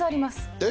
えっ？